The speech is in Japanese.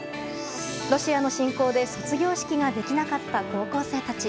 ロシアの侵攻で卒業式ができなかった高校生たち。